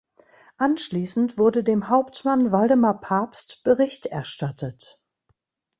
Anschließend wurde dem Hauptmann Waldemar Pabst Bericht erstattet.